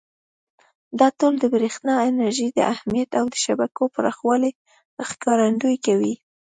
دا ټول د برېښنا انرژۍ د اهمیت او د شبکو پراخوالي ښکارندویي کوي.